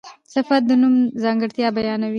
صفت د نوم ځانګړتیا بیانوي.